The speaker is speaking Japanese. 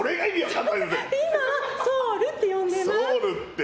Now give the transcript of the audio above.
今はソウルって呼んでます。